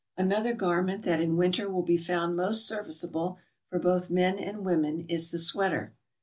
Another garment that in wi ter will be found most serviceable for both men and women, is the sweater.